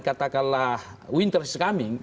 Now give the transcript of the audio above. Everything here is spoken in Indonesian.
katakanlah winter is coming